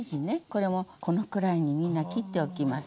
これもこのくらいにみんな切っておきます。